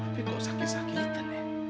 tapi kok sakit sakitan